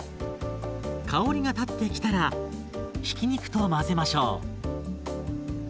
香りが立ってきたらひき肉と混ぜましょう。